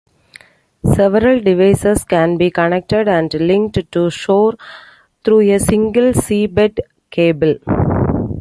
Several devices can be connected and linked to shore through a single seabed cable.